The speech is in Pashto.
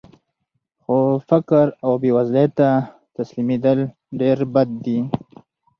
خو فقر او بېوزلۍ ته تسلیمېدل ډېر بد دي